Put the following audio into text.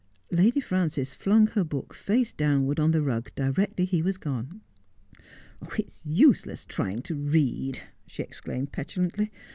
Lady Frances flung her book face downwards on the rug directly he was gone. ' It's useless trying to read,' she exclaimed petulantly.